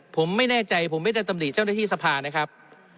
ผมไม่แน่ใจผมไม่ได้ตำหนิเจ้าหน้าที่สภานะครับ